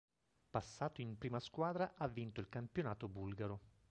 Passato in prima squadra, ha vinto il campionato bulgaro.